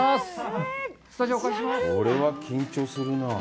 これは緊張するなあ。